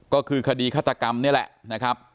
ก็คือคดีฆาตกรรมนี่แหละนะครับ